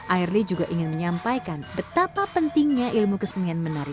airly juga ingin menyampaikan betapa pentingnya ilmu kesenian menari